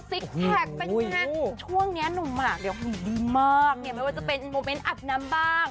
ซิกแพคไปช่วงนี้หนุ่มหมากดีมากมีวัวจะเป็นโหมเม้นต์อาบน้ำบ้าง